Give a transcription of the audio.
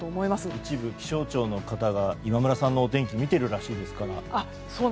一部、気象庁の方が今村さんのお天気を見ているらしいですから。